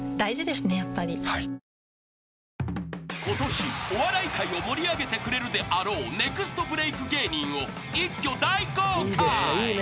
［ことしお笑い界を盛り上げてくれるであろうネクストブレーク芸人を一挙大公開。